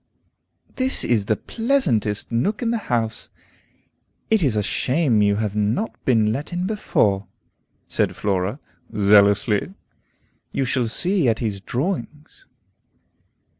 "This is the pleasantest nook in the house. It is a shame you have not been let in before," said Flora, zealously. "You shall see Etty's drawings."